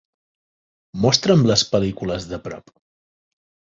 Mostra"m les pel·lícules de prop.